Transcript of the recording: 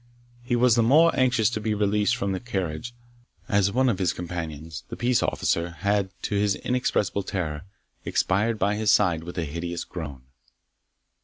He was the more anxious to be released from the carriage, as one of his companions (the peace officer) had, to his inexpressible terror, expired by his side with a hideous groan.